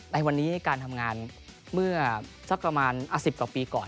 ในวันนี้การทำงานเมื่อสักประมาณ๑๐กว่าปีก่อน